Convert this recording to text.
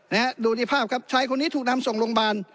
นะฮะดูในภาพครับชายคนนี้ถูกนำส่งโรงพยาบาล